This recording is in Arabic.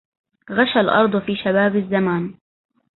غشى الأرض في شباب الزمان